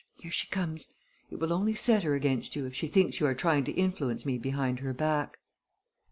Here she comes. It will only set her against you if she thinks you are trying to influence me behind her back."